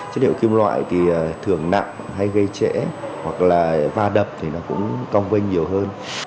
chất liệu kim loại thì thường nặng hay gây trễ hoặc là va đập thì nó cũng cong vanh nhiều hơn